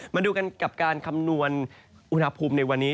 มาดูกันกับการคำนวณอุณหภูมิในวันนี้